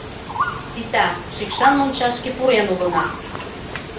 — Сита, шикшан мончашке пурен улына!